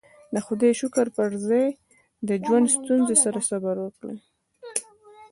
د خدايې شکر پر ځای د ژوند ستونزې سره صبر وکړئ.